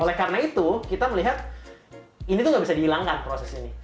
oleh karena itu kita melihat ini tuh gak bisa dihilangkan proses ini